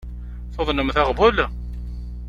Tuḍnemt aɣbel?